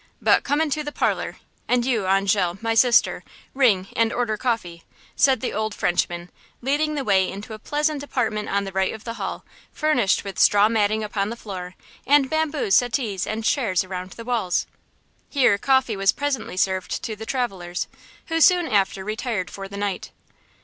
But come into the parlor, and you, Angele, my sister, ring and order coffee," said the old Frenchman, leading the way into a pleasant apartment on the right of the hall, furnished with straw matting upon the floor and bamboo settees and chairs around the walls. Here coffee was presently served to the travelers, who soon after retired for the night.